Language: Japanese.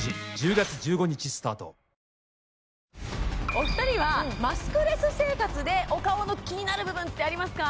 お二人はマスクレス生活でお顔のキニナル部分ってありますか？